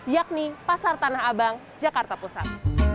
yakni pasar tanah abang jakarta pusat